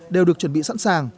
đều được chuẩn bị sẵn sàng